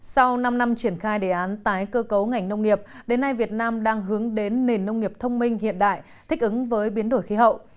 sau năm năm triển khai đề án tái cơ cấu ngành nông nghiệp đến nay việt nam đang hướng đến nền nông nghiệp thông minh hiện đại thích ứng với biến đổi khí hậu